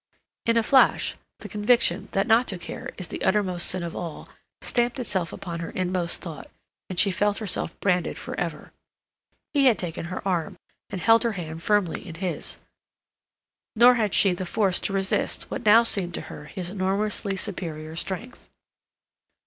In a flash the conviction that not to care is the uttermost sin of all stamped itself upon her inmost thought; and she felt herself branded for ever. He had taken her arm, and held her hand firmly in his, nor had she the force to resist what now seemed to her his enormously superior strength.